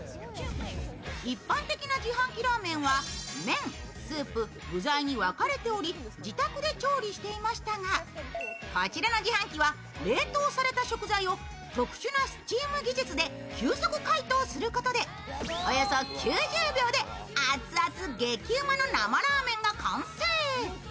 一般的な自販機ラーメンは、麺、スープ、具材に分かれており、自宅で調理していましたが、こちらの自販機は冷凍された食材を特殊なスチーム技術で急速解凍することで、およそ９０秒で熱々、激うまの生ラーメンが完成。